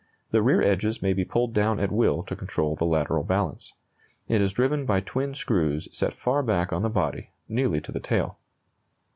The rear edges may be pulled down at will to control the lateral balance. It is driven by twin screws set far back on the body, nearly to the tail.